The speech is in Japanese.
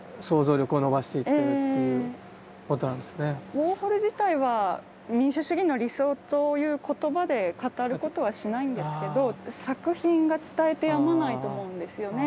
ウォーホル自体は民主主義の理想という言葉で語ることはしないんですけど作品が伝えてやまないと思うんですよね。